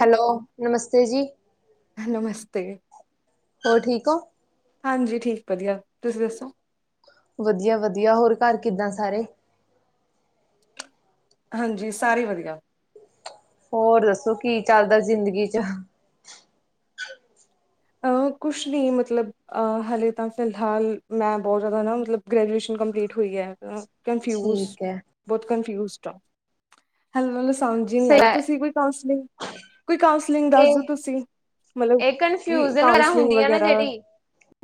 Hello, ਨਮਸਤੇ ਜੀ। ਨਮਸਤੇ। ਹੋਰ ਠੀਕ ਓ? ਹਾਂਜੀ ਠੀਕ ਵਦੀਆ, ਤੂਸੀ ਦੱਸੋ? ਵਦੀਆ-ਵਦੀਆ, ਹੋਰ ਘਾਰ ਕਿੱਦਾਂ ਸਾਰੇ? ਹਾਂਜੀ, ਸਾਰੇ ਵਦੀਆ। ਹੋਰ ਦੱਸੋ ਕੀ ਚਲਦਾ ਜ਼ਿੰਦਗੀ ਚ? ਅ ਕੁੱਛ ਨੀ ਮਤਲਬ ਅ ਹਲੇ ਤਾਂ ਫਿਲਹਾਲ, ਮੈਂ ਬੋਤ ਜਾਦਾ ਨਾ ਮਤਲਬ ਗ੍ਰੈਜੂਏਸ਼ਨ ਕੰਪਲੀਟ ਹੋਈ ਐ, ਅ ਕਨਫਿਊਜ਼ ਠੀਕ ਹੈ ਬੋਤ ਕਨਫਿਊਜ਼ਡ ਆਂ। ਹਲੇ ਮੈਨੂੰ ਸਮਜ ਈ ਨੀ ਆਈ, ਤੂਸੀ ਕੋਈ ਕਾਂਉਸਲਿੰਗ, ਕੋਈ ਕਾਂਉਸਲਿੰਗ ਦੱਸਦੋ ਤੂਸੀ? ਮਤਲਬ ਏ ਕਨਫਿਊਜਨ ਵੈਰਾ ਹੁੰਦੀ ਆ ਨਾ ਵਗੈਰਾ ਜੇੜੀ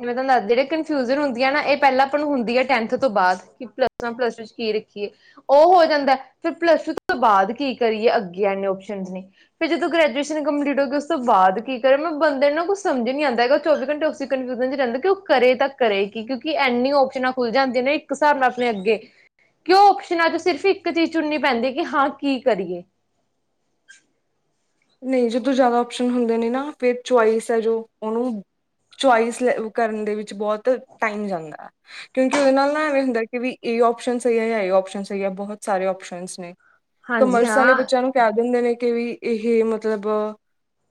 ਮੈਂ ਤੂਆਨੂੰ ਦੱਸ ਦੀ ਜੇੜੀ ਕਨਫਿਊਸਨ ਹੁੰਦੀ ਆ ਨਾ, ਐ ਪੈਲਾਂ ਆਪਾਂ ਨੂ ਹੁੰਦੀ ਐ ਟੈਨਥ ਤੋਂ ਬਾਦ ਕਿ ਪਲੱਸ ਵਨ, ਪਲੱਸ ਟੂ ਚ ਕੀ ਰੱਖੀਏ, ਓ ਹੋ ਜਾਂਦੈ। ਫੇਰ ਪਲੱਸ ਟੂ ਤੋਂ ਬਾਦ ਕੀ ਕਰੀਏ ਅੱਗੇ ਐਨੇ ਓਪਸ਼ਨਸ ਨੇ। ਫੇਰ ਜਦੋਂ ਗ੍ਰੈਜੂਏਸ਼ਨ ਕੰਪਲੀਟ ਹੋ ਗਈ ਉਸ ਤੋ ਬਾਦ ਕੀ ਫੇਰ ਨਾ ਬੰਦੇ ਨੂੰ ਕੁਛ ਸਮਝ ਈ ਨੀ ਆਂਦਾ ਹੈਗਾ, ਓ ਚੌਵੀ ਘੰਟੇ ਉਸੇ ਕਨਫਿਊਜ਼ਨ ਚ ਰੈਂਦਾ ਕਿ ਓ ਕਰੇ ਤਾਂ ਕਰੇ ਕਿ ਕਿਉਂਕਿ ਐਨੀ ਓਪਸ਼ਨਾਂ ਖੁੱਲ ਜਾਂਦੀਆਂ ਨੇ ਇੱਕ ਸਾਬ ਨਾਲ ਅਪਨੇ ਅੱਗੇ। ਕਿਉਂ ਓਪਸ਼ਨਾਂ ਚ ਸਿਰਫ ਇੱਕ ਚੀਜ਼ ਚੁਨਨੀ ਪੈਂਦੀ ਏ ਕਿ ਹਾਂ ਕੀ ਕਰੀਏ। ਨਈ ਜਦੋਂ ਜਾਦਾ ਆਪਓਸ਼ਨ ਹੁੰਦੇ ਨੇ ਨਾ ਫੇਰ ਚੁਆਇਸ ਐ ਜੋ ਓਨੂੰ ਚੋਇਸ ਲੇ ਓ ਕਰਨ ਦੇ ਵਿੱਚ ਬੋਤ ਟਾਈਮ ਜਾਂਦੈ। ਕਿਉਂਕਿ ਉਦੇ ਨਾਲ ਨਾ ਐਵੇਂ ਹੁੰਦੈ ਕਿ ਵੀ ਏ ਓਪਸ਼ਨ ਸਈ ਐ ਯਾਂ ਏ ਓਪਸ਼ਨ ਸਈ ਐ, ਬਹੁਤ ਸਾਰੇ ਓਪਸ਼ਨਸ ਨੇ। ਹਾਂਜੀ ਕਮਰਸ ਆਲੇ ਹਾਂ ਬੱਚੇਆਂ ਨੂੰ ਕੈ ਦਿੰਦੇ ਨੇ ਕਿ ਵੀ ਏ ਏ ਮਤਲਬ,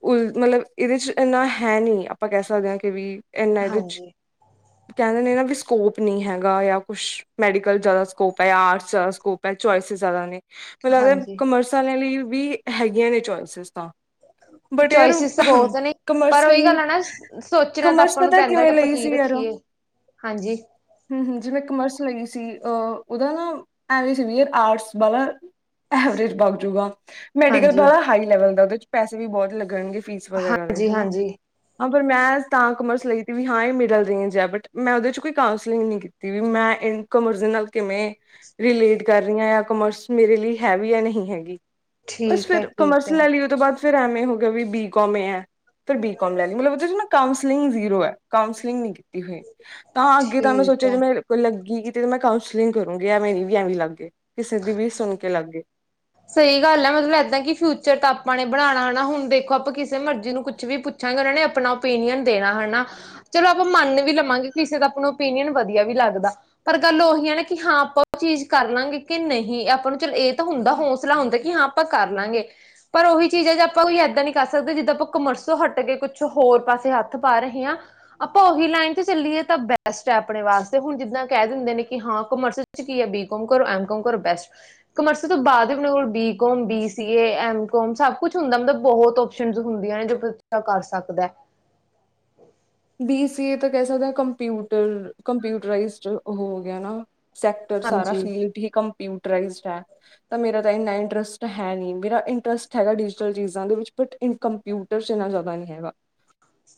ਉਲ ਮਤਲਬ ਇਦੇ ਚ ਏਨਾ ਹੈ ਨੀ ਆਪਾਂ ਕੈ ਸਕਦੇ ਆਂ ਕਿ ਵੀ ਐਨਾ ਐ ਵਿਚ। [inaudible] ਕੈਂਦੇ ਨੇ ਨਾ ਵੀ ਸਕੋਪ ਨੀ ਹੈਗਾ ਯਾ ਕੁਛ ਮੈਡੀਕਲ ਜਾਦਾ ਸਕੋਪ ਐ ਜਾਂ ਆਰਟਸ ਜਾਦਾ ਸਕੋਪ ਤਾਂ ਚੋਇਸ ਜ਼ਿਆਦਾ ਨੇ ਮੈਨੂੰ ਲੱਗਦਾ ਹਾਂਜੀ ਕਾਮਰਸ ਵਾਲਿਆਂ ਲਈ ਵੀ ਹੈਗੀਆਂ ਨੇ ਚੋਇਸਿਸ ਤਾਂ। [inaudible] ਬਟ ਯਾਰ ਚੋਇਸਿਸ ਤਾਂ ਬਹੁਤ ਨੇ ਪਰ ਕਮਰਸ ਉਹੀ ਕਈ ਗੱਲ ਆ ਨਾ ਸੋਚਣਾ ਤਾਂ ਕਮਰਸ ਆਪਾਂ ਨੂੰ ਪਤਾ ਪੈਂਦਾ ਕਿ ਕਿਵੇਂ ਆਪਾਂ ਲਈ ਕੀ ਸੀ ਯਾਰ ਰੱਖੀਏ। ਹਾਂਜੀ। ਹੂੰ-ਹੂੰ, ਜਿਵੇਂ ਕਾਮਰਸ ਲਈ ਸੀ ਅਹ ਉਹਦਾ ਨਾ ਐਵੇਂ ਸੀ ਵੀ ਆਰਟਸ ਵਾਲਾ ਐਵਰੇਜ ਬਗ ਜੂਗਾ ਮੈਡੀਕਲ ਹਾਂਜੀ ਵਾਲਾ ਹਾਈ ਲੈਵਲ ਦਾ ਉਹਦੇ ਚ ਪੈਸੇ ਵੀ ਬਹੁਤ ਲੱਗਣਗੇ ਫੀਸ ਵਗੈਰਾ ਦੇ ਹਾਂਜੀ ਹਨਾ। ਹਾਂਜੀ ਹਾਂ, ਪਰ ਮੈਂ ਤਾਂ ਕਾਮਰਸ ਲਈ ਤੀ ਵੀ ਹਾਂ ਇਹ ਮਿਡਲ ਹੈ ਬਟ ਮੈਂ ਉਹਦੇ ਚ ਕੋਈ ਕਾਂਸਲਿੰਗ ਨਹੀਂ ਕੀਤੀ। ਤੇਵੀ ਮੈਂ ਇਨਕਾਮਰਸ ਨਾਲ ਕਿਵੇਂ? ਰਿਲੇਟ ਕਰ ਰਹੀ ਆ ਕਾਮਰਸ ਮੇਰੇ ਲਈ ਹੈ ਵੀ ਆ ਨੀ ਹੈਗੀ ਬਸ ਠੀਕ ਹੈ ਫਿਰ ਕਾਮਰਸ ਠੀਕ ਹੈ ਉਹ ਤੋਂ ਬਾਅਦ ਫਿਰ ਐਮ ਏ ਹੋ ਗਿਆ ਵੀ ਬੀਕੋਮ ਐਮ ਏ ਹੈ। ਫਿਰ ਬੀਕੋਮ ਲੈ ਲਈ, ਮਤਲਬ ਓਦੇ ਚ ਨਾ ਕਾਂੳਸਲਿੰਗ ਜ਼ੀਰੋ ਹੈ ਕਾਊਂਸਲਿੰਗ ਨੀ ਕੀ ਕੀਤੀ ਹੋਈ ਤਾਂ ਅੱਗੇ ਤਾਂ ਮੈਂ ਠੀਕ ਸੋਚਿਆ ਹੈ ਜਿਵੇਂ ਕੋਈ ਲੱਗੀ ਤੇ ਮੈਂ ਕਾਉਂਸਲਿੰਗ ਕਰੂੰਗੀ ਏਵੇਂ ਨੀ ਲੱਗ ਗਏ ਕਿਸੇ ਦੀ ਵੀ ਸੁਣ ਕੇ ਲੱਗ ਗਏ। ਸਹੀ ਗੱਲ ਹੈ ਮਤਲਬ ਏਦਾਂ ਕਿ ਫਿਊਚਰ ਤਾਂ ਆਪਾਂ ਨੇ ਬਣਾਉਣਾ ਹੈ ਨਾ, ਹੁਣ ਦੇਖੋ ਆਪਾਂ ਕਿਸੇ ਮਰਜ਼ੀ ਨੂੰ ਕੁਛ ਵੀ ਪੁੱ ਛਾ, ਉਹਨਾਂ ਨੇ ਆਪਣਾ ਓਪੀਨੀਅਨ ਦੇਣਾ ਹਨਾ। ਚਲੋ ਆਪਾਂ ਮੰਨ ਵੀ ਲਵਾਂਗੇ ਕਿਸੇ ਦਾ ਆਪਣਾ ਓਪੀਨੀਅਨ ਵਧੀਆ ਵੀ ਲੱਗਦਾ। ਪਰ ਗੱਲ ਉਹੀ ਆ ਨੇ ਕਿ ਹਾਂ ਆਪਾਂ ਉਹ ਚੀਜ਼ ਕਰ ਲਾਂਗੇ ਕਿ ਨਹੀਂ ਆਪਾਂ ਨੂੰ ਚਲੋ ਇਹ ਤਾਂ ਹੁੰਦਾ। ਹੌਸਲਾ ਹੁੰਦਾ ਕਿ ਹਾਂ ਆਪਾਂ ਕਰ ਲਾਂਗੇ। ਪਰ ਉਹੀ ਚੀਜੇ਼ ਆਪਾਂ ਕੋਈ ਏਦਾਂ ਨੀ ਕਰ ਸਕਦੇ ਜਿੱਦਾਂ ਆਪਾਂ ਕਾਮਰਸ ਤੋ ਹੱਟ ਕੇ ਕੁਛ ਹੋਰ ਪਾਸੇ ਹੱਥ ਪਾ ਰਹੇ ਹਾਂ। ਆਪਾਂ ਉਹੀ ਲਾਈਨ ਤੇ ਚੱਲੀਏ ਤਾਂ ਬੈਸਟ ਹੈ ਆਪਣੇ ਵਾਸਤੇ ਹੁਣ ਜਿੱਦਾਂ ਕਹਿ ਦਿੰਦੇ ਨੇ ਕਿ ਹਾਂ ਕਮਰਸ ਕੀ ਹੈ ਬੀਕਮ ਕਰੋ, ਐਮ ਕਮ ਕਰੋ ਬੈਸਟ ਕਮਰਸ ਤੋਂ ਬਾਅਦ ਆਪਣੇ ਕੋਲ ਬੀ-ਕੋਮ, ਬੀ-ਸੀਏ, ਐਮ-ਕੋਮ ਸਭ ਕੁਛ ਹੁੰਦਾ ਮਤਲਬ ਬਹੁਤ ਓਪਸ਼ਨ ਹੁੰਦੀਆਂ ਨੇ। ਕਰ ਸਕਦਾ। ਬੀ-ਸੀਏ ਤਾਂ ਕਹਿ ਸਕਦੇ ਹ ਕੰਪਿਊਟਰ ਕੰਪਿਊਟਈਜ਼ਡ ਹੋ ਗਿਆ ਨਾ। ਸੈਕਟਰ ਸਾਰਾ ਹਾਂਜੀ ਫੀਡ ਹੀ ਕੰਪਿਯੂਟਰਆਇਸਡ ਹੈ। ਤਾਂ ਮੇਰਾ ਤਾਂ ਇੰਨਾ ਇੰਟਰਸਟ ਹੈ ਨੀ ਮੇਰਾ ਇੰਟਰਸਟ ਹੈਗਾ ਡਿਜੀਟਲ ਚੀਜ਼ਾਂ ਦੇ ਵਿੱਚ ਬਟ ਇਨ ਕੰਪਿਊ ਕੰਪਿਊਟਰ ਚ ਇੰਨਾ ਜਿਆਦਾ ਨੀ ਹੈਗਾ।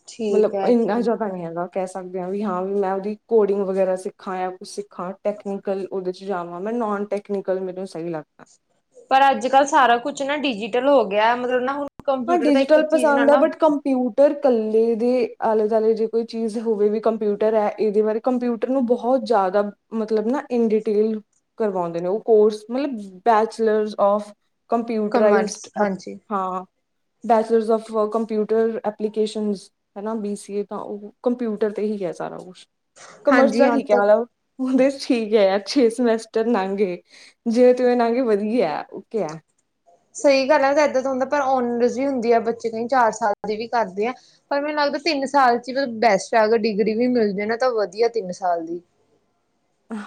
ਠੀਕ ਐ। ਬਈ ਇੰਨਾ ਜਿਆਦਾ ਨਹੀਂ ਹੈਗਾ। ਕਹਿ ਸਕਦੇ ਹਾਂ ਵੀ ਹਾਂ ਵੀ ਮੈਂ ਉਹਦੀ ਕੋਡਿੰਗ ਵਗੈਰਾ ਸਿੱਖਾਂ ਜਾਂ ਕੁਛ ਸਿੱਖਾਂ ਟੈਕਨੀਕਲ ਉਹਦੇ ਚ ਜਾਵਾਂ ਮੈਂ ਨੋਨ ਟੈਕਨੀਕਲ ਮੈਨੂੰ ਸਹੀ ਲਗਤਾ। ਪਰ ਅੱਜ-ਕੱਲ੍ਹ ਸਾਰਾ ਕੁੱਛ ਨਾ ਡਿਜੀਟਲ ਹੋ ਗਿਆ ਮਤਲਬ ਨਾ ਹੁਣ ਹਾਂ, ਕੰਪਿਊਟਰ ਦਾ ਇੱਕ ਡਿਜੀਟਲ ਚੀਜ਼ ਨਾਲ ਪਸੰਦ ਹੈ ਨਾ ਬਟ ਕੰਪਿਊ ਪਰ ਕੱਲੇ ਦੇ ਆਲੇ-ਦੁਆਲੇ ਜੇ ਕੋਈ ਚੀਜ਼ ਹੋਵੇ ਵੀ ਕੰਪਿਊਟਰ ਹੈ ਇਹਦੇ ਬਾਰੇ ਕੰਪਿਊਟਰ ਨੂੰ ਬਹੁਤ ਜ਼ਿਆਦਾ ਮਤਲਬ ਨਾ ਇਨ ਡਿਟੇਲ ਕਰਵਾਉਂਦੇ ਨੇ, ਉ ਕੋਰਸ ਮਤਲਬ ਬੈਚਲਰਸ ਔਫ ਕਮਰਸ ਕੰਪਿਊਟਰਾਈਜ਼ਡ ਐ ਹਾਂਜੀ ਹਾਂ ਬੈਚਲਰਸ ਅਫ ਕੰਪਿਊਟਰ ਐਪਲੀਕੇਸ਼ਨ। ਹੈਨਾ ਬੀ ਸੀ ਏ ਤਾਂ ਉਹ ਕੰਪਿਊਟਰ ਤੇ ਹੀ ਹੈ ਸਾਰਾ ਕੁਛ, ਕਾਮਰਸ ਹਾਂਜੀ ਦਾ ਹਾਂ ਠੀਕ ਹੈ ਤੱਕ ਮਤਬਲ। ਓਦੇ ਠੀਕ ਹੈ ਯਾਰ ਛੇ ਸਮੈਸਟਰ ਲੰਘ ਗਏ। ਜੇਵੇ-ਤਿਵੇ ਨਗੇ ਵਧੀਆ ਓਕੇ ਐ ਸਹੀ ਗੱਲ ਹੈ, ਏਦਾ ਦਾ ਹੁੰਦਾ ਪਰ ਓਨ ਰੈਜਯੁਮ ਵੀ ਦਿਆ ਬੱਚੇ ਨੇ ਚਾਰ ਸਾਲ ਦੀ ਵੀ ਕਰਦੇ ਆ। ਪਰ ਮੈਨੂੰ ਲੱਗਦਾ ਤਿੰਨ ਸਾਲ ਚ ਈ ਮਤਬ ਬੈਸਟ ਆ ਅਗਰ ਡਿਗਰੀ ਵੀ ਮਿਲਜੇ ਨਾ ਤਾਂ ਵਦੀਆ ਤਿੰਨ ਸਾਲ ਦੀ।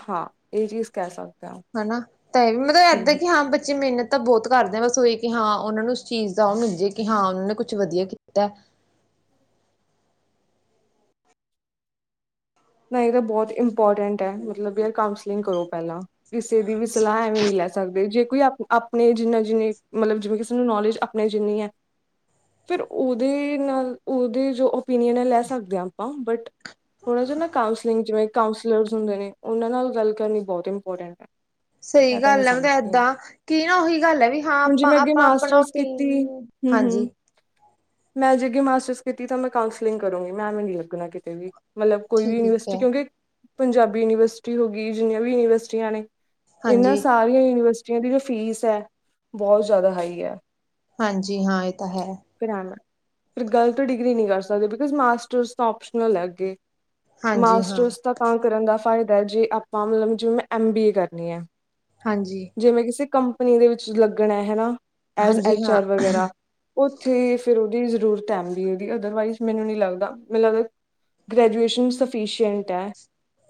ਹਾਂ ਏ ਚੀਜ਼ ਕੈ ਸਕ ਹਨਾ ਤੇ ਏ ਵੀ ਮਤਲਬ ਏਦਾਂ ਕਿ ਹਾਂ ਬੱਚੇ ਮੇਨਤ ਤਾਂ ਬੋਤ ਕਰਦੇ ਆ ਬਸ ਓਹੀ ਕਿ ਹਾਂ ਓਨਾਂ ਨੂੰ ਉਸ ਚੀਜ਼ ਦਾ ਓ ਮਿਲ ਜੇ ਕਿ ਹਾਂ ਓਨਾਂ ਨੇ ਕੁਛ ਵਦੀਆ ਕੀਤੈ। ਨਈ ਏ ਤਾਂ ਬੋਤ ਇੰਪੋਰਟੈਂਟ ਐ ਮਤਲਬ ਵੀ ਯਾਰ ਕਾਊਂਸਲਿੰਗ ਕਰੋ ਪੈਲਾ ਕਿਸੇ ਦੀ ਵੀ ਸਲਾਹ ਐਵੇਂ ਨੀ ਲੈ ਸਕਦੇ ਜੇ ਕੋਈ ਆਪ ਆਪਨੇ ਜਿੰਨਾ ਜਿੰਨੀ ਮਤਲਬ ਜਿਵੇਂ ਕਿਸੇ ਨੂੰ ਨੌਲੇਜ ਆਪਨੇ ਜਿੰਨੀ ਐ ਫਿਰ ਓਦੇ ਨਾਲ ਓਦੇ ਜੋ ਓਪੀਨੀਅਨ ਆ ਲੈ ਸਕਦੇ ਆ ਆਪਾਂ ਬਟ ਥੋੜਾ ਜਾ ਨਾ ਕਾਉਂਸਲਿੰਗ ਜਿਵੇ ਕਾਉਂਸਲਰਸ ਹੁੰਦੇ ਨੇ ਓਨਾ ਨਾਲ ਗੱਲ ਕਰਨੀ ਬੋਤ ਇੰਪੋਰਟੈਂਟ ਐ। ਸਈ ਗੱਲ ਆ ਮਤਬ ਏਦਾਂ ਕੀ ਨਾ ਓਹੀ ਗੱਲ ਆ ਵੀ ਹਾਂ ਹੁਣ ਜੇ ਮੈਂ ਅੱਗੇ ਆਪਾਂ-ਆਪਾਂ ਆਪਨਾ ਮਾਸਟਰਸ ਕੀਤੀ ਓਪੀਨੀ ਹੂੰ ਹਾਂਜੀ। ਹੂੰ ਮੈਂ ਜੇ ਅੱਗੇ ਮਾਸਟਰਸ ਕੀਤੀ ਤਾਂ ਮੈਂ ਕਾਉਂਸਲਿੰਗ ਕਰੂੰਗੀ ਮੈਂ ਐਮੇ ਨੀ ਲੱਗਨਾ ਕਿਤੇ ਵੀ ਮਤਲਬ ਕੋਈ ਵੀ ਠੀਕ ਯੂਨੀਵਸਿਟੀ ਹੈ ਕਿਓਂਕਿ ਪੰਜਾਬੀ ਯੂਨੀਵਸਿਟੀ ਹੋ ਗੀ ਜਿੰਨੀਆਂ ਵੀ ਯੂਨੀਵਸਿਟੀਆਂ ਨੇ ਏਨਾਂ ਹਾਂਜੀ ਸਾਰੀਆਂ ਯੂਨੀਵਸਿਟੀਆਂ ਦੀ ਜੋ ਫੀਸ ਐ ਬੋਹ ਜ਼ਾਦਾ ਹਾਈ ਐ। ਹਾਂਜੀ ਹਾਂ ਏ ਤਾਂ ਹੈ। ਫਿਰ ਰੈਣ ਦੋ, ਫਿਰ ਗਲਤ ਡਿਗਰੀ ਨੀ ਕਰ ਸਕਦੇ ਬਿਕੋਜ਼ ਮਾਸਟਰਜ਼ ਤਾਂ ਓਪਸ਼ਨਲ ਐ ਅੱਗੇ। ਹਾਂਜੀ ਹਾਂ ਮਾਸਟਰਸ ਤਾਂ ਕਰਨ ਦਾ ਫਾਇਦੈ ਜੇ ਆਪਾਂ ਮਤਲਬ ਜਿਵੇਂ ਮੈਂ ਐਮ ਬੀ ਏ ਕਰਨੀ ਐ। ਹਾਂਜੀ। ਜੇ ਮੈਂ ਕਿਸੇ ਕੰਪਨੀ ਦੇ ਵਿੱਚ ਲੱਗਣਾ ਹੈਨਾ ਐਜ਼ ਹਾਂਜੀ ਐਚ ਹਾਂ ਆਰ ਵਗੈਰਾ ਓਥੇ ਫੇਰ ਓਦੀ ਜ਼ਰੂਰਤ ਐ ਐਮ ਬੀ ਏ ਦੀ ਅਦਰਵਾਈਜ਼ ਮੈਨੂੰ ਨੀ ਲੱਗਦਾ ਮੈਨੂੰ ਲੱਗਦਾ ਗ੍ਰੈਜੂਏਸ਼ਨ ਸਫਿਸ਼ੀਐਂਟ ਐ।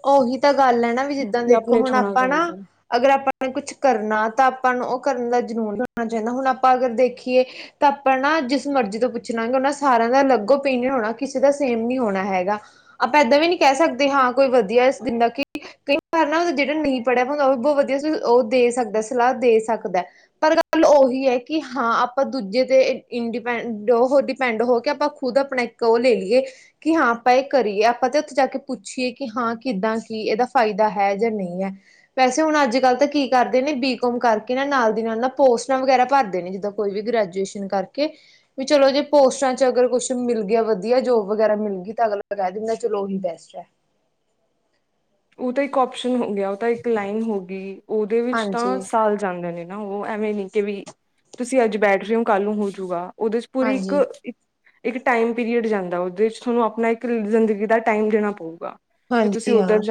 ਓਹੀ ਤਾਂ ਗੱਲ ਐ ਨਾ ਵੀ ਜਿੱਦਾਂ ਕਿ ਦੇਖੋ ਆਪਣੇ ਚ ਹੁਨ ਹੋਣਾ ਆਪਾਂ ਨਾ ਚਾਹੀਦਾ ਅਗਰ ਆਪਾਂ ਨੇ ਕੁਛ ਕਰਨਾ ਤਾਂ ਆਪਾਂ ਨੂੰ ਓ ਕਰਨ ਦਾ ਜਨੂੰਨ ਹੋਨਾ ਚਾਈਦਾ ਹੁਨ ਆਪਾਂ ਅਗਰ ਦੇਖੀਏ ਤਾਂ ਆਪਾਂ ਨਾ ਜਿਸ ਮਰਜ਼ੀ ਤੋਂ ਪੁੱਛ ਲਾਂਗੇ ਓਨਾਂ ਸਾਰੇਆਂ ਦਾ ਅਲੱਗ ਓਪੀਨੀਅਨ ਹੋਨਾ ਕਿਸੇ ਦਾ ਸੇਮ ਨੀ ਹੋਨਾ ਹੈਗਾ। ਆਪਾਂ ਏਦਾਂ ਵੀ ਨੀ ਕੈ ਸਕਦੇ ਹਾਂ ਕੋਈ ਵਦੀਆ ਇਸ ਦਿੰਦਾ ਕਿਓਂਕਿ ਕਈ ਵਾਰ ਨਾ ਜੇੜਾ ਨਈ ਪੜੇਆ ਵਿਆ ਹੁੰਦਾ ਓ ਵੀ ਬੋਹ ਵਦੀਆ ਸੁ ਓ ਦੇ ਸਕਦਾ ਸਲਾਹ ਦੇ ਸਕਦੈ। ਪਰ ਗੱਲ ਓਹੀ ਐ ਕਿ ਹਾਂ ਆਪਾਂ ਦੂਜੇ ਤੇ ਏ ਇੰਡੀਪੈ ਡ ਹੋ ਡਿਪੈਂਡ ਹੋ ਕੇ ਆਪਾਂ ਖੁਦ ਆਪਨਾ ਇੱਕ ਓ ਲੇ ਲੀਏ ਕਿ ਹਾਂ ਆਪਾਂ ਏ ਕਰੀਏ ਆਪਾਂ ਤੇ ਓਥੇ ਜਾ ਕੇ ਪੁੱਛੀਏ ਕਿ ਹਾਂ ਕਿੱਦਾਂ ਕੀ ਏਦਾ ਫਾਇਦਾ ਹੈ ਜਾਂ ਨਈਂ ਐ। ਵੈਸੇ ਹੁਨ ਅੱਜ-ਕੱਲ ਤੇ ਕੀ ਕਰਦੇ ਨੇ ਬੀਕੋਮ ਕਰਕੇ ਨਾ ਨਾਲ ਦੀ ਨਾਲ ਨਾ ਪੋਸਟਾਂ ਵਗੈਰਾ ਭਰਦੇ ਨੇ ਜਿੱਦਾਂ ਕੋਈ ਵੀ ਗ੍ਰੈਜੂਏਸ਼ਨ ਕਰਕੇ ਵੀ ਚਲੋ ਜੇ ਪੋਸਟਾਂ ਚ ਅਗਰ ਕੁਛ ਮਿਲ ਗਿਆ ਵਦੀਆ ਜੋਬ ਵਗੈਰਾ ਮਿਲ ਗਈ ਤਾਂ ਅਗਲਾ ਕੈ ਦਿੰਦਾ ਚਲੋ ਓਹੀ ਬੈਸਟ ਐ। ਓ ਤਾਂ ਇੱਕ ਓਪਸ਼ਨ ਹੋ ਗਿਆ ਓ ਤਾਂ ਇੱਕ ਲਾਈਨ ਹੋ ਗੀ ਓਦੇ ਵਿੱਚ ਹਾਂਜੀ ਤਾਂ ਸਾਲ ਜਾਂਦੇ ਨੇ ਨਾ ਓ ਐਵੇਂ ਨੀ ਕਿ ਵੀ ਤੁਸੀਂ ਅੱਜ ਬੈਠ ਰੇ ਓ ਕੱਲ ਨੂੰ ਹੋਜੂਗਾ ਓਦੇ ਚ ਪੂਰੀ ਇੱਕ ਹਾਂਜੀ ਇੱਕ ਟਾਈਮ ਪੀਰੀਅਡ ਜਾਂਦਾ ਓਦੇ ਚ ਥੋਨੂੰ ਆਪਨਾ ਇੱਕ ਜ਼ਿੰਦਗੀ ਦਾ ਟਾਈਮ ਦੇਣਾ ਪਊਗਾ ਜੇ ਤੁਸੀਂ ਹਾਂਜੀ ਹਾਂ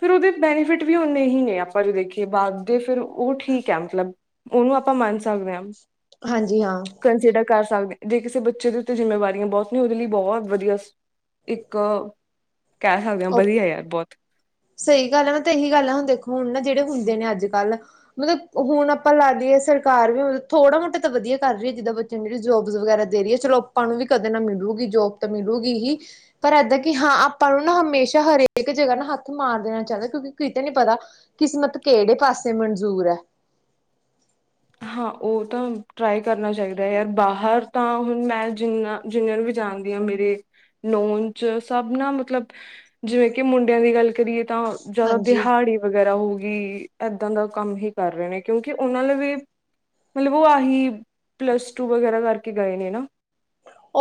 ਫੇਰ ਓਦੇ ਬੈਨੀਫਿਟ ਵੀ ਉਨੇ ਹੀ ਨੇ ਆਪਾਂ ਜੇ ਦੇਖੀਏ ਬਾਦ ਦੇ ਫਿਰ ਓ ਠੀਕ ਐ ਮਤਲਬ ਓਨੂੰ ਆਪਾਂ ਮੰਨ ਸਕਦੇ ਆ। ਹਾਂਜੀ-ਹਾਂ। ਕੰਨਸੀਡਰ ਕਰ ਸਕਦੇ ਆ ਜੇ ਕਿਸੇ ਬੱਚੇ ਦੇ ਉੱਤੇ ਜਿੰਮੇਵਾਰੀਆਂ ਬੋਤ ਨੇ ਓਦੇ ਲਈ ਬੋਹ ਵਦੀਆ ਇੱਕ ਕੈ ਸਕਦੇ ਆ ਵਦੀਆ ਯਾਰ ਬੋਤ ਸਈ ਗੱਲ ਐ ਨਾ ਤੇ ਏਹੀ ਗੱਲ ਆ ਹੁਨ ਦੇਖੋ ਹੁਨ ਨਾ ਜੇੜੇ ਹੁੰਦੇ ਨੇ ਅੱਜ-ਕੱਲ ਮਤਲਬ ਹੁਨ ਆਪਾਂ ਲਾ ਦੀਏ ਸਰਕਾਰ ਵੀ ਮਤਲਬ ਥੋੜਾ-ਮੋਟਾ ਤਾਂ ਵਦੀਆ ਕਰ ਰਈ ਆ ਜਿੱਦਾਂ ਬੱ ਨੂੰ ਜੇੜੀ ਜੋਬਸ ਵਗੈਰਾ ਦੇ ਰਈ ਐ ਚਲੋ ਆਪਾਂ ਨੂੰ ਵੀ ਕਦੇ ਨਾ ਮਿਲੂਗੀ ਜੋਬ ਤਾਂ ਮਿਲੂਗੀ ਹੀ। ਪਰ ਏਦਾਂ ਕਿ ਹਾਂ ਆਪਾਂ ਨੂੰ ਨਾ ਹਮੇਸ਼ਾ ਹਰੇਕ ਜਗਾ ਨਾ ਹੱਥ ਮਾਰ ਦੇ ਰੈਣਾ ਚਾਈਦਾ ਕਿਉਂਕਿ ਕਿਤੇ ਨੀ ਪਤਾ ਕਿਸਮਤ ਕੇੜੇ ਪਾਸੇ ਮੰਨਜ਼ੂਰ ਐ। ਹਾਂ ਔ ਤਾਂ ਟਰਾਈ ਕਰਨਾ ਚਾਹੀਦਾ ਐ ਯਾਰ ਬਾਹਰ ਤਾਂ ਹੁਨ ਮੈਂ ਜਿੰਨਾ ਜਿੰਨਿਆਂ ਨੂੰ ਵੀ ਜਾਂਨਦੀ ਆ ਮੇਰੇ ਨੋਨ 'ਚ ਸਭ ਨਾ ਮਤਲਬ ਜਿਵੇਂ ਕਿ ਮੁੰਡਿਆਂ ਦੀ ਗੱਲ ਕਰੀਏ ਤਾਂ ਜਦੋਂ ਹਾਂਜੀ ਦਿਹਾੜੀ ਵਗੈਰਾ ਹੋਗੀ ਐਦਾ ਦਾ ਕੰਮ ਹੀ ਕਰ ਰੇ ਨੇ ਕਿਉਂਕਿ ਉਨਾਂ ਲਵੇਂ ਮਤਲਬ ਔ ਆਹੀ ਪਲੱਸ-ਟੂ ਵਗੈਰਾ ਕਰਕੇ ਗਏ ਨੇ ਨਾ।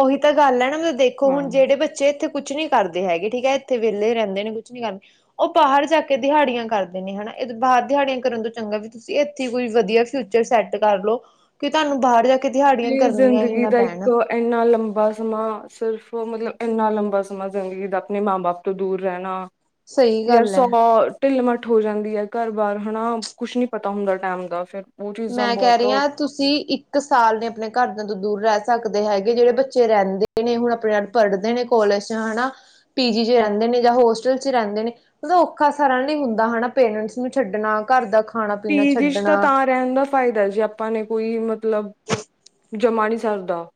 ਉਹੀ ਤਾਂ ਗੱਲ ਐ ਨਾ ਮਤਲਬ ਦੇਖੋ ਹੁਨ ਹਾਂ। ਜੇੜੇ ਬੱਚੇ ਇੱਥੇ ਕੁਛ ਨੀ ਕਰਦੇ ਹੈਗੇ ਠੀਕ ਐ ਇੱਥੇ ਵੇਲੇ ਰੇਂਦੇ ਨੇ ਕੁਛ ਨੀ ਕਰਦੇ ਔ ਬਾਹਰ ਜਾ ਕੇ ਦਿਹਾੜੀਆਂ ਕਰਦੇ ਨੇ ਹੈਨਾ ਇ ਬਾਹਰ ਦਿਹਾੜੀਆਂ ਕਰਨ ਤੋਂ ਚੰਗਾ ਵੀ ਤੁਸੀਂ ਐਥੇ ਕੋਈ ਵਧੀਆ ਫਿਊਚਰ ਸੈੱਟ ਕਰਲੋ ਕਿ ਤੁਆਨੂੰ ਬਾਹਰ ਜਾ ਕੇ ਦਿਹਾੜੀਆਂ ਕਰਨੀਆਂ ਹੀ ਨਾ ਪੈਂਨ। ਐਨਾ ਲੰਬਾ ਸਮਾਂ ਸਿਰਫ ਮਤਲਬ ਐਨਾ ਲੰਬਾ ਸਮਾਂ ਜ਼ਿੰਦਗੀ ਦਾ ਆਪਨੇ ਮਾਂ-ਬਾਪ ਤੋਂ ਦੂਰ ਰੈਨਾ। ਸਹੀ ਯਰ ਗੱਲ ਸੌ ਹੈ ਗੋਡ ਢਿੱਲ ਮੱਠ ਹੋ ਜਾਂਦੀ ਏ ਘਰ ਬਾਰ ਹੈਨਾ ਕੁਛ ਨੀ ਪਤਾ ਹੁੰਦਾ ਟੈਮ ਦਾ ਫੇਰ। ਮੈਂ ਕੈ ਰੀ ਆ ਤੁਸੀਂ ਇੱਕ ਸਾਲ ਨੇ ਆਪਣੇ ਘਰਦਿਆਂ ਤੋਂ ਦੂਰ ਰੈ ਸਕਦੇ ਹੈਗੇ ਜੇੜੇ ਬੱਚੇ ਰੇਂਦੇ ਨੇ ਹੁਨ ਆਪਣੇ ਪੜ੍ਹਦੇ ਨੇ ਕੋਲਜ 'ਚ ਹੈਨਾ ਪੀਜੀ 'ਚ ਰੇਂਦੇ ਨੇ ਜਾਂ ਹੋਸਟਲ 'ਚ ਰੇਂਦੇ ਨੇ ਮਤਲਬ ਔਖਾ ਸਾਰਾ ਨਈ ਹੁੰਦਾ ਹੈਨਾ ਪੇਰੈਂਟਸ ਨੂੰ ਛੱਡਨਾ ਘਰ ਦਾ ਖਾਣਾ ਪੀਣਾ ਪੀਜੀ 'ਚ ਛੱਡਣਾ ਤਾਂ ਰੈਂਨ ਦਾ ਫਾਇਦਾ ਜੇ ਆਪਾਂ ਨੇ ਕੋਈ ਮਤਲਬ ਜਮਾ ਨੀ ਸਰਦਾ।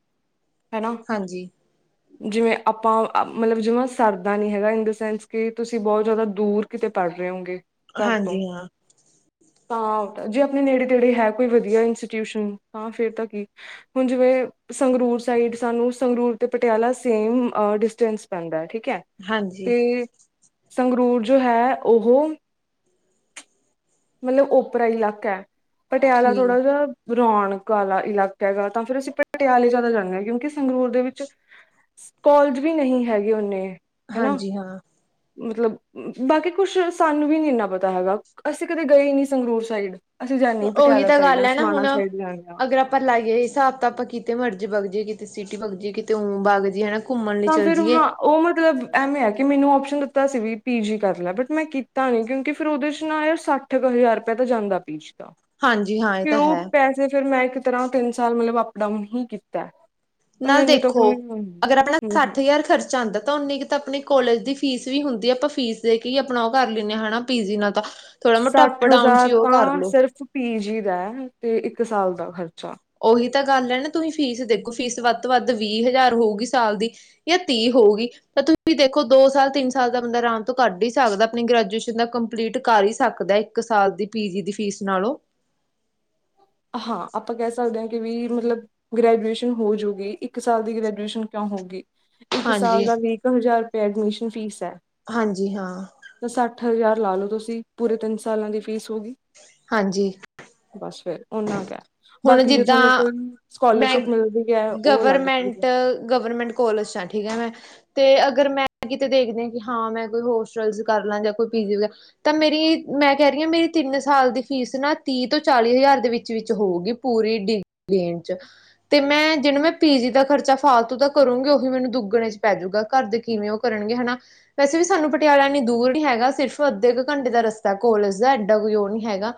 ਹੈਲੋ। ਹਾਂਜੀ ਜਿਵੇਂ ਆਪਾਂ ਮਤਲਬ ਜਿਵੇਂ ਸਰਦਾ ਨੀ ਹੈਗਾ ਇਨ ਦ ਸੈਂਸ ਕਿ ਤੁਸੀਂ ਬੋਤ ਜਾਦਾ ਦੂਰ ਕਿਤੇ ਪਰ ਰੇ ਉਂਗੇ ਹਾਂਜੀ ਹਾਂ। ਤਾਂ ਜੇ ਆਪਨੇ ਨੇੜੇ-ਤੇੜੇ ਹੈ ਕੋਈ ਵਧੀਆ ਇੰਸਟਿਊਸ਼ਨ ਤਾਂ ਫਿਰ ਤਾਂ ਕੀ ਹੁਨ ਜਿਵੇਂ ਸੰਗਰੂਰ ਸਾਈਡ ਸਾਨੂੰ ਸੰਗਰੂਰ ਤੇ ਪਟਿਆਲਾ ਸੇਮ ਡਿਸਟੈਂਸ ਪੈਂਦਾ ਠੀਕ ਐ- ਹਾਂਜੀ ਤੇ ਸੰਗਰੂਰ ਜੋ ਐ ਔਹੋ ਮਤਲਬ ਓਪਰਾ ਇਲਾਕਾ ਐ ਪਟਿਆਲਾ ਠੀਕ ਥੋੜਾ ਜਾ ਰੌਣਕ ਆਲਾ ਇਲਾਕਾ ਐਗਾ ਤਾਂ ਫਿਰ ਅਸੀਂ ਪਟਿਆਲੇ ਜ਼ਿਆਦਾ ਜਾਂਨੇ ਆ ਕਿਉਂਕਿ ਸੰਗਰੂਰ ਦੇ ਵਿੱਚ ਕੋਲਜ ਵੀ ਨਹੀਂ ਹੈਗੇ ਉਨੇ ਹਾਂਜੀ ਹਾਂ। ਮਤਲਬ ਬਾਕੀ ਕੁਛ ਸਾਨੂੰ ਵੀ ਨੀ ਇੰਨਾ ਪਤਾ ਹੈਗਾ ਅਸੀਂ- ਕਦੇ ਗਏ ਨੀ ਸੰਗਰੂਰ ਸਾਈਡ ਅਸੀਂ ਜਾਨੇ ਈ ਉਹੀ ਪਟਿਆਲਾ ਤਾਂ ਸਾਈਡ ਆ ਗੱਲ ਹੈ ਨਾ ਸਮਾਨਾ ਹੁਣ ਸਾਈਡ ਜਾਨੇ ਹਾਂ। ਅਗਰ ਆਪਾਂ ਲਾਈਏ ਹਿਸਾਬ ਤਾਂ ਆਪਾਂ ਕਿਤੇ ਮਰਜ਼ੀ ਬਗ ਜੀਏ ਕਿਤੇ ਸਿਟੀ ਬਗ ਜੀਏ ਕਿਤੇ ਉ ਬਗ ਜੀਏ ਹੈਨਾ। ਤਾਂ ਫੇਰ ਹਾਂ ਔ ਮਤਲਬ ਐਵੇਂ ਆ ਕਿ ਮੈਨੂੰ ਔਪਸ਼ਨ ਦਿੱਤਾ ਸੀ ਵੀ ਪੀ ਜੀ ਕਰ ਲੈ ਬਟ ਮੈਂ ਕੀਤਾ ਨੀ ਕਿਉਂਕਿ ਫਿਰ ਉਹਦੇ 'ਚ ਨਾ ਯਾਰ ਸੱ ਠ ਕੁ ਹਜ਼ਾਰ ਰੁਪਇਆ ਤਾਂ ਜਾਂਦਾ ਪੀਚ ਦਾ। ਹਾਂਜੀ ਹਾਂ। ਇਹ ਵੀ ਤਾਂ ਔ ਹੈ ਪੈਸੇ ਫਿਰ ਮੈਂ ਇੱਕ ਤਰ੍ਹਾਂ ਤਿੰਨ ਸਾਲ ਮਤਲਬ ਅਪ ਡਾਊਨ ਹੀ ਕੀਤਾ। ਤਾਂ ਨਾਲ ਮੈਨੂੰ ਤਾਂ ਦੇਖੋ ਕੋਈ ਅਗਰ ਆਪਣਾ ਸੱਠ ਹੂੰ-ਹੂੰ ਹਜ਼ਾਰ ਖਰਚਾ ਆਂਦਾ ਤਾਂ ਉਨੀਂ ਕ ਤਾਂ ਆਪਣੀ ਕੋਲੇਜ ਦੀ ਫੀਸ ਵੀ ਹੁੰਦੀ ਆ ਆਪਾਂ ਫੀਸ ਦੇ ਕੇ ਈ ਆਪਣਾ ਔ ਕਰ ਲੈਂਨੇ ਆ ਹੈਨਾ ਪੀਜੀ ਨਾਲ ਤਾਂ ਥੋੜਾ ਮੋਟਾ ਅਪ ਸੱਠ ਡਾਊਨ ਚ ਹਜ਼ਾਰ ਉਹ ਕਰ ਤਾਂ ਲੋ। ਸਿਰਫ਼ ਪੀਜੀ ਦਾ ਐ ਤੇ ਇੱਕ ਸਾਲ ਦਾ ਖ਼ਰਚਾ। ਉਹੀ ਤਾਂ ਗੱਲ ਐ ਨਾ ਤੁਸੀਂ ਫੀਸ ਦੇਖੋ ਫੀਸ ਵੱਧ ਤੋਂ ਵੱਧ ਵੀਹ ਹਜ਼ਾਰ ਹੋਊਗੀ ਸਾਲ ਦੀ। ਯਾਂ ਤੀ ਹੋਊਗੀ। ਤਾਂ ਤੁਸੀਂ ਦੇਖੋ ਦੋ ਸਾਲ-ਤਿੰਨ ਸਾਲ ਦਾ ਬੰਦਾ ਆਰਾਮ ਤੋਂ ਕੱਢ ਈ ਸਕਦਾ ਆਪਣੀ ਗ੍ਰੈਜੂਏਸ਼ਨ ਦਾ ਕੰਪਲੀਟ ਕਰ ਈ ਸਕਦਾ। ਇੱਕ ਸਾਲ ਦੀ ਪੀਜੀ ਦੀ ਫ਼ੀਸ ਨਾਲੋਂ ਹਾਂ ਆਪਾਂ ਕਹ ਸਕਦੇ ਆ ਕਿ ਵੀ ਮਤਲਬ ਗ੍ਰੈਜੂਏਸ਼ਨ ਹੋਜੂਗੀ ਇੱਕ ਸਾਲ ਦੀ ਗ੍ਰੈਜੂਏਸ਼ਨ ਕਉਂ ਹੋਊਗੀ। ਇੱਕ ਹਾਂਜੀ ਸਾਲ ਦਾ ਵੀ ਕ ਹਜ਼ਾਰ ਰੁਪਏ ਐਡਮਿਸ਼ਨ ਫੀਸ ਐ। ਹਾਂਜੀ ਹਾਂ। ਤ ਸੱਠ ਹਜ਼ਾਰ ਲਾ ਲੋ ਤੁਸੀ, ਪੂਰੇ ਤਿੰਨ ਸਾਲਾਂ ਦੀ ਫੀਸ ਹੋਗੀ। ਹਾਂਜੀ। ਬਸ ਫੇਰ ਓਨਾਂ ਕ ਐ। ਹੁਣ ਬਾਕੀ ਜੇ ਜਿੱਦਾਂ ਥੋਨੂੰ ਕੋਈ ਸਕੋਲਰਸ਼ਿਪ ਮਿਲਦੀ ਵੀ ਹੈ ਉਹ ਅਲੱਗ ਚੀਜ਼ ਐ। ਅ ਗਵਰਮੈਂਟ ਕੋਲਜ ਸ ਐ ਠੀਕ ਐ ਨ। ਤੇ ਅਗਰ ਮੈਂ ਕਿਤੇ ਦੇਖਨੇ ਹਾਂ ਮੈਂ ਕੋਈ ਹੋਸਟਲਸ ਕਰ ਲਾਂ ਜਾਂ ਕੋਈ ਪੀਜੀ ਵਗੈਰਾ। ਤਾਂ ਮੇਰੀ ਏ ਮੈਂ ਕਹਿ ਰੀ ਆ ਮੇਰੀ ਤਿੰਨ ਸਾਲ ਦੀ ਫੀਸ ਨਾ ਤੀਹ ਤੋਂ ਚਾਲੀ ਹਜ਼ਾਰ ਦੇ ਵਿਚ- ਵਿਚ ਹੋਊਗੀ। ਪੂਰੀ ਡੀ ਟੇਨ ਚ। ਤੇ ਮੈਂ ਜਿਨ ਮੈਂ ਪੀ ਜੀ ਦਾ ਖਰਚਾ ਫਾਲਤੂ ਦਾ ਕਰੂੰਗੀ ਉਹੀ ਮੈਨੂੰ ਦੁੱਗਣੇ ਚ ਪੈ ਜੂਗਾ ਘਰ ਦੇ ਕਿਵੇਂ ਉਹ ਕਰਨਗੇ ਹੈਨਾ। ਵੈਸੇ ਵੀ ਸਾਨੂੰ ਪਟਿਆਲਾ ਏਨੀ ਦੂਰ ਨੀ ਹੈਗਾ, ਸਿਰਫ ਅੱਧੇ ਕ ਘੰਟੇ ਦਾ ਰਸਤਾ ਏ ਕੋਲਜ ਦਾ, ਏਡਾ ਕੋਈ ਉਹ ਨੀ ਹੈਗਾ।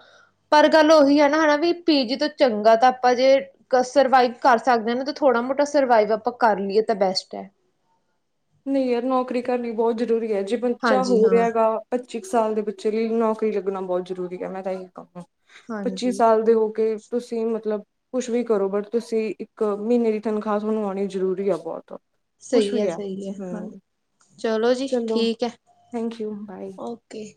ਪਰ ਗੱਲ ਉਹੀ ਆ ਨਾ ਹਨਾ ਵੀ ਪੀਜੀ ਤੋਂ ਚੰਗਾ ਤਾਂ ਆਪਾਂ ਜੇ ਤ ਸਰਵਾਈਵ ਕਰ ਸਕਦੇ ਅ ਨਾ, ਤੇ ਥੋੜਾ ਮੋਟਾ ਸਰਵਾਈਵ ਆਪਾਂ ਕਰ ਲਈਏ ਤਾਂ ਬੈਸਟ ਐ। ਨਹੀਂ ਯਾਰ ਨੌਕਰੀ ਕਰਨੀ ਬੋਤ ਜ਼ਰੂਰੀ ਐ, ਜੇ ਬੱਚਾ ਹੋ ਹਾਂਜੀ ਹਾਂ ਗਧ ਗਾ। ਪੱਚੀ ਕ ਸਾਲ ਦੇ ਬੱਚੇ ਲਈ ਨੌਕਰੀ ਲੱਗਣਾ ਬਹੁਤ ਜ਼ਰੂਰੀ ਐ, ਮੈਂ ਤਾਂ ਏਹੀ ਕਹੂੰ। ਪੱਚੀ ਹਾਂਜੀ ਸਾਲ ਦੇ ਹੋ ਕੇ ਤੁਸੀ ਮਤਲਬ ਕੁਛ ਵੀ ਕਰੋ ਬਟ ਤੁਸੀਂ ਇੱਕ ਮਹੀਨੇ ਦੀ ਤਨਖ਼ਾਹ ਬਣਵਾਣੀ ਜ਼ਰੂਰੀ ਐ ਬਹੁਤ ਕੁਛ ਸਹੀ ਵੀ ਏ- ਹੈ ਸਹੀ ਏ, ਹਾਂ ਹਮ ਚਲੋ ਜੀ ਚਲੋ ਠੀਕ ਐ। Thank you bye. ਓਕੇ।